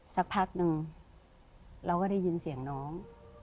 สักพักนึงเราก็ได้ยินเสียงน้อง